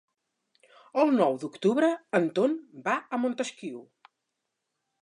El nou d'octubre en Ton va a Montesquiu.